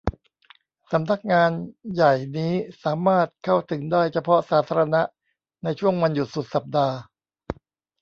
สำนักงานใหญ่นี้สามารถเข้าถึงได้เฉพาะสาธารณะในช่วงวันหยุดสุดสัปดาห์